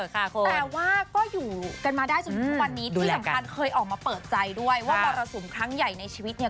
แต่ว่าก็อยู่กันมาได้จนถึงทุกวันนี้ที่สำคัญเคยออกมาเปิดใจด้วยว่ามรสุมครั้งใหญ่ในชีวิตเนี่ย